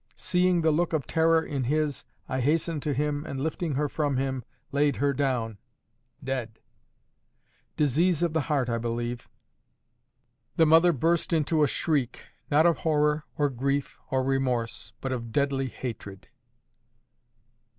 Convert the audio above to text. Seeing the look of terror in his, I hastened to him, and lifting her from him, laid her down—dead. Disease of the heart, I believe. The mother burst into a shriek—not of horror, or grief, or remorse, but of deadly hatred.